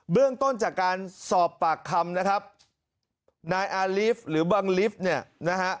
เรื่องต้นจากการสอบปากคำนะครับนายอารีฟหรือบังลิฟต์เนี่ยนะฮะ